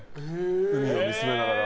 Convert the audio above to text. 海を見つめながら。